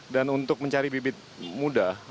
dan untuk mencari bibit muda